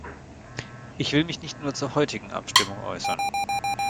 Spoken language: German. Ich will mich nicht zur heutigen Abstimmung äußern.